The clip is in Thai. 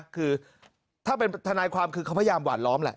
คือถ้าเป็นทนายความคือเขาพยายามหวานล้อมแหละ